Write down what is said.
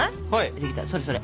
できたそれそれ。